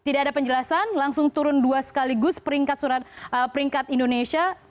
tidak ada penjelasan langsung turun dua sekaligus peringkat indonesia